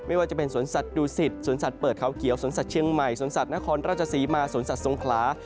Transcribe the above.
ไม่ว่าจะเป็นสวนสัตวศิษฐ์สวนสัตว์เปิดเขาเขียวสวนสัตวเชียงใหม่สวนสัตว์นครราชศรีมาสวนสัตว์สงขลา